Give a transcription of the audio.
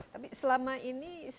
tapi selama ini